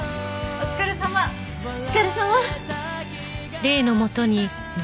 お疲れさま！